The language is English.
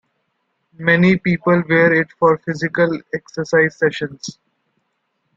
Many people wear it for physical exercise sessions.